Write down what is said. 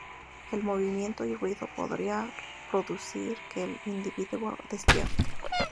El movimiento y ruido podrían producir que el individuo despierte.